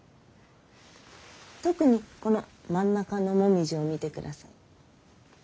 特にこの真ん中の紅葉を見てください。